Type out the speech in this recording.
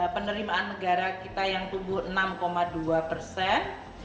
penerimaan negara kita yang tumbuh enam dua persen